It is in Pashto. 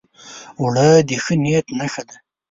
اوړه د ښه نیت نښه ده